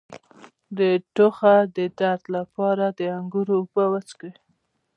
د تخه د درد لپاره د انګور اوبه وڅښئ